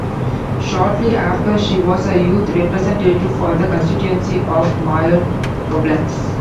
Shortly after, she was the youth representative for the constituency of Mayen-Koblenz.